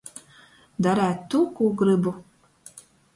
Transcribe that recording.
Dareit tū, kū grybu.